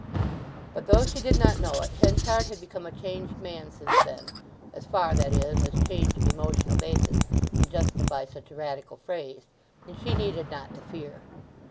But though she did not know it Henchard had become a changed man since then—as far, that is, as change of emotional basis can justify such a radical phrase; and she needed not to fear.